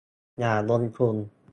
อย่าลงทุน